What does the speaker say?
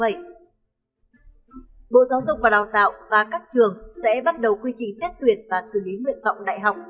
bộ giáo dục và đào tạo và các trường sẽ bắt đầu quy trình xét tuyển và xử lý nguyện vọng đại học